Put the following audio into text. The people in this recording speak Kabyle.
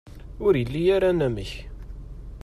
Ur ili ara anamek.